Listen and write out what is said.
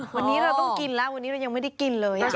วันนี้เราต้องกินแล้ววันนี้เรายังไม่ได้กินเลย